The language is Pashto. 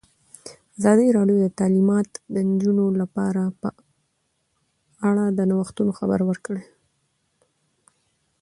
ازادي راډیو د تعلیمات د نجونو لپاره په اړه د نوښتونو خبر ورکړی.